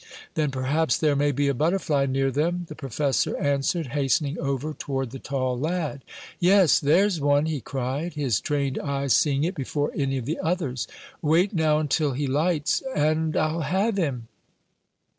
"Then perhaps there may be a butterfly near them," the professor answered, hastening over toward the tall lad. "Yes, there's one!" he cried, his trained eyes seeing it before any of the others. "Wait now until he lights, and I'll have him!"